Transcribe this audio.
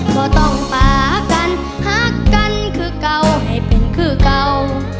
ก็ต้องปากันฮักกันคือเก่าให้เป็นคือเก่า